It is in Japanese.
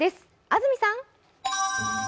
安住さん！